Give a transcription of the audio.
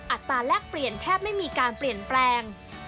ตราแลกเปลี่ยนแทบไม่มีการเปลี่ยนแปลง